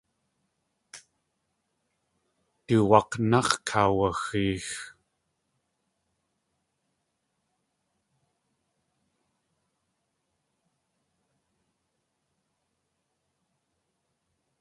Du waak̲náx̲ kaawaxeex.